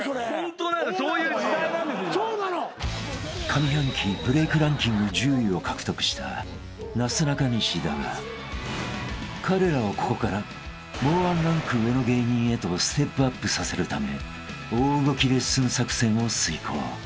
［上半期ブレイクランキング１０位を獲得したなすなかにしだが彼らをここからもうワンランク上の芸人へとステップアップさせるため大動きレッスン作戦を遂行］